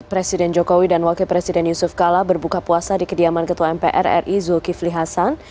presiden jokowi dan wakil presiden yusuf kala berbuka puasa di kediaman ketua mpr ri zulkifli hasan